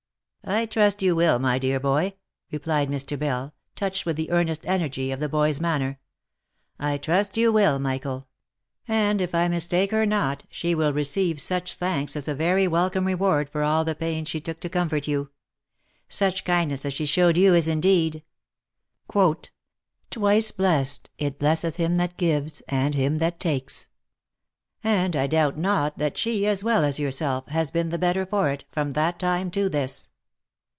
" I trust you will, my dear boy," replied Mr. Bell, touched with the earnest energy of the boy's manner; " I trust you will, Michael: and if I mistake her not, she will receive such thanks as a very welcome OF MICHAEL ARMSTRONG. 333 reward for all the pains she took to comfort you. Such kindness as she showed you is, indeed, twice blest, It blesseth him that gives, and him that takes : and I doubt not that she, as well as yourself, has been the better for it, from that time to this."